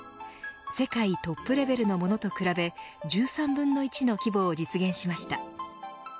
世界トップレベルのものと比べ１３分の１の規模を実現しました。